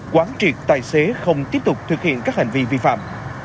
quán triệt tài xế không tiếp tục thực hiện các hành vi vi phạm